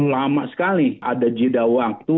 lama sekali ada jeda waktu